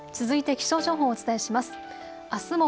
続いて気象情報をお伝えします。